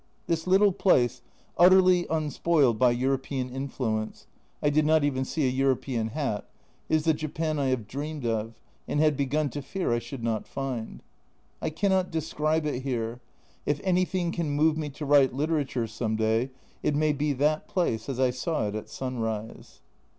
This little place, utterly unspoiled by European influence (I did not even see a European hat), is the Japan I have dreamed of, and had begun to fear I should not find. I cannot describe it here ; if anything can move me to write literature some day, it may be that place as I saw it at sunrise.